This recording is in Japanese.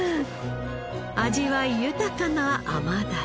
味わい豊かな甘鯛